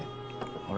あれ？